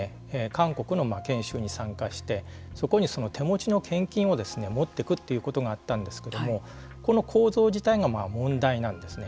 韓国の研修に参加してそこに手持ちの献金を持っていくということがあったんですけれどもこの構造自体が問題なんですね。